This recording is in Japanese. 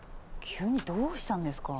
急にどうしたんですか？